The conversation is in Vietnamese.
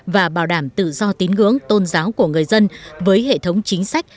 và bảo đảm tự do tín ngưỡng tôn giáo của người dân với hệ thống chính sách